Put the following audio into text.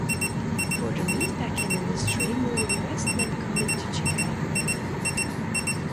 For the meat packing industry moving west meant coming to Chicago.